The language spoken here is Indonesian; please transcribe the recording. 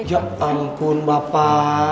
ya ampun bapak